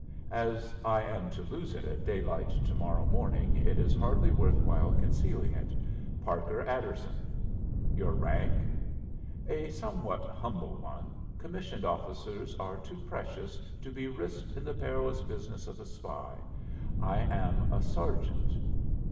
"As I am to lose it at daylight to morrow morning it is hardly worth while concealing it. Parker Adderson." "Your rank?" "A somewhat humble one; commissioned officers are too precious to be risked in the perilous business of a spy. I am a sergeant."